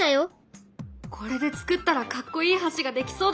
これで作ったらかっこいい橋ができそうだね。